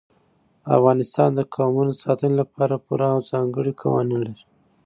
افغانستان د قومونه د ساتنې لپاره پوره او ځانګړي قوانین لري.